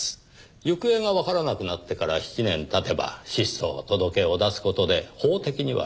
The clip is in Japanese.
行方がわからなくなってから７年経てば失踪届を出す事で法的には死亡扱いです。